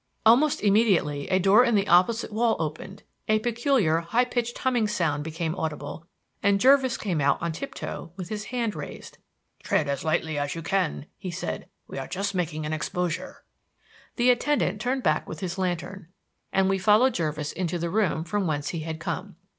Almost immediately, a door in the opposite wall opened; a peculiar, high pitched humming sound became audible, and Jervis came out on tiptoe with his hand raised. "Tread as lightly as you can," he said. "We are just making an exposure." The attendant turned back with his lantern, and we followed Jervis into the room from whence he had come.